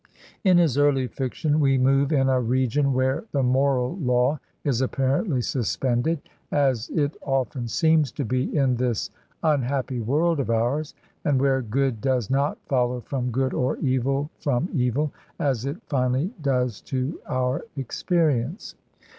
In his early fiction we move in a region where the moral law is apparently suspended, as it often seems to be in this imhappy world of ours, and where good does not follow from good or evil from evil, as it finally does to our experience.